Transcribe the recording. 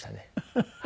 フフフフ。